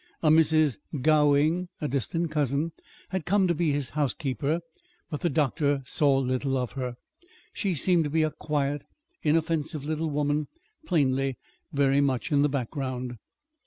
A Mrs. Gowing, a distant cousin, had come to be his housekeeper, but the doctor saw little of her. She seemed to be a quiet, inoffensive little woman, plainly very much in the background.